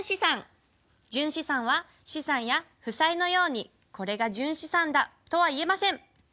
純資産は資産や負債のようにこれが純資産だとはいえません。